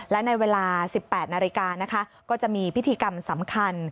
และในเวลา๑๘นาฬิกานะคะก็จะมีพิธีกรรมสำคัญ